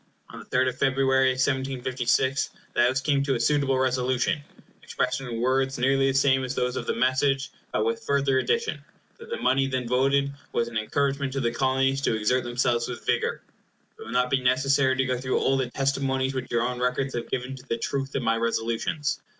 On the 3d of February, 1756, the House came to a suitable Resolution, expressed in words nearly the same as those of the message, but with the further addition, that the money then voted was as an encouragement to the Colonies to exert themselves with vigor. It will not be necessary to go through all the testimonies which your own records have given to the truth of my Resolutions.